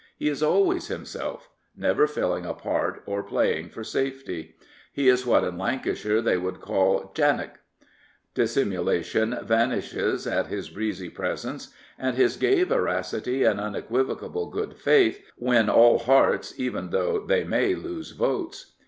He is always himself — never filling a part or playing for safety. He is what in Lancashire they would call '* jannock.'' Dis simulation vanishes at his breezy presence, and his gay veracity and unequivocal good faith win all hearts even though they may lose votes.